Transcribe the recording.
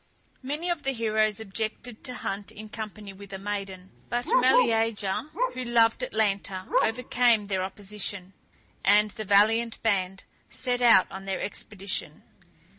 Many of the heroes objected to hunt in company with a maiden; but Meleager, who loved Atalanta, overcame their opposition, and the valiant band set out on their expedition.